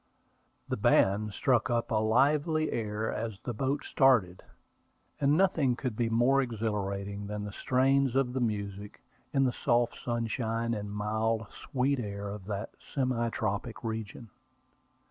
The band struck up a lively air as the boat started; and nothing could be more exhilarating than the strains of the music, in the soft sunshine and mild, sweet air of that semi tropical region.